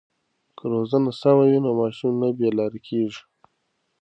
که روزنه سمه وي نو ماشوم نه بې لارې کېږي.